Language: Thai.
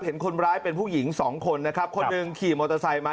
เห็นคนร้ายเป็นผู้หญิงสองคนนะครับคนหนึ่งขี่มอเตอร์ไซค์มา